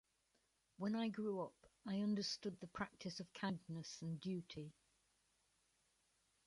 When I grew up, I understood the practice of kindness and duty.